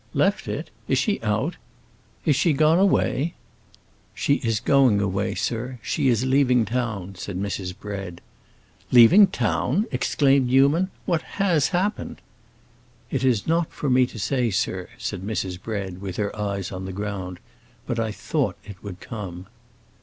"Left it? Is she out? Is she gone away?" "She is going away, sir; she is leaving town," said Mrs. Bread. "Leaving town!" exclaimed Newman. "What has happened?" "It is not for me to say, sir," said Mrs. Bread, with her eyes on the ground. "But I thought it would come."